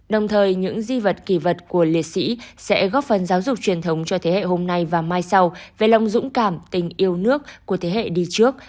đồng thời những di vật kỳ vật của liệt sĩ sẽ góp phần giáo dục truyền thống cho thế hệ hôm nay và mai sau về lòng dũng cảm tình yêu nước của thế hệ đi trước